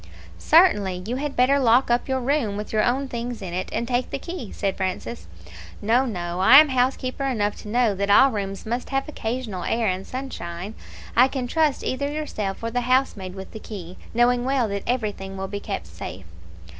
"Certainly; you had better lock up your room with your own things in it, and take the key," said Francis. "No, no; I am housekeeper enough to know that all rooms must have occasional air and sunshine. I can trust either yourself or the housemaid with the key, knowing well that everything will be kept safe."